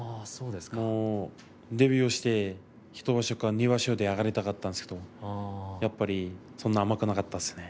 デビューして１場所か２場所で上がりたかったんですけどやっぱりそんなに甘くなかったですね。